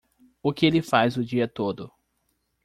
O que ele faz o dia todo?